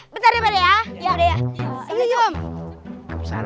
bentar ya pak d ya